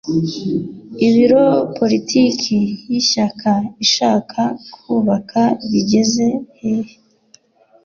i biro politiki y ishyaka ishaka kubaka bigeze hehe